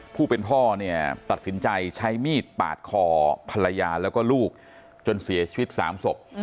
ผู้เป็นพ่อเนี่ยตัดสินใจใช้มีดปาดคอภรรยาแล้วก็ลูกจนเสียชีวิต๓ศพ